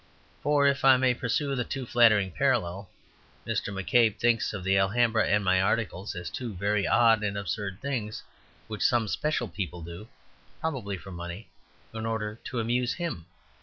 For (if I may pursue the too flattering parallel) Mr. McCabe thinks of the Alhambra and of my articles as two very odd and absurd things, which some special people do (probably for money) in order to amuse him.